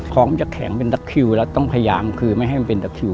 ของมันจะแข็งเป็นตะคิวแล้วต้องพยายามคือไม่ให้มันเป็นตะคิว